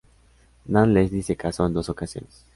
Nan Leslie se casó en dos ocasiones.